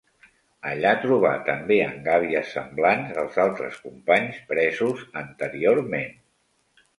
Allà trobà, també en gàbies semblants, els altres companys presos anteriorment.